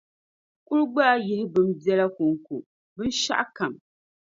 kuli gbaai yihi bina biɛla kɔŋko, binshɛɣukam.